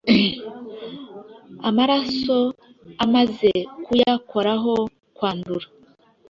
Amaraso amaze kuyakorahokwandura